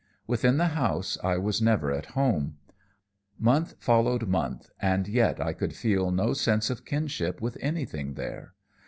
"Within the house I was never at home. Month followed month, and yet I could feel no sense of kinship with anything there.